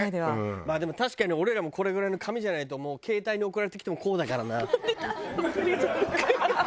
でも確かに俺らもこれぐらいの紙じゃないともう携帯に送られてきてもこうだからな。